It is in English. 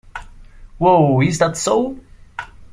Wow Is That So?!